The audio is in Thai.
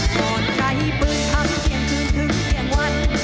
ก่อนใช้ปืนทำเที่ยงคืนถึงเที่ยงวัน